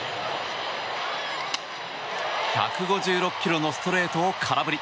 １５６キロのストレートを空振り。